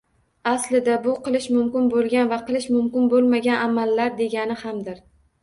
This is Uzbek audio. Aslida bu- “qilish mumkin bo’lgan va qilish mumkin bo’lmagan” amallar degani hamdir.